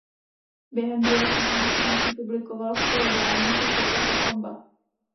Během druhé světové války publikoval v ilegálním časopise "Combat".